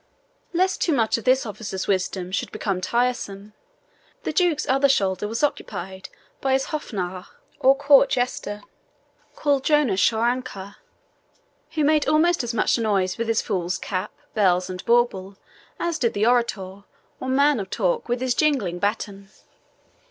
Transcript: Lest too much of this officer's wisdom should become tiresome, the Duke's other shoulder was occupied by his HOFF NARR, or court jester, called Jonas Schwanker, who made almost as much noise with his fool's cap, bells, and bauble, as did the orator, or man of talk, with his jingling baton.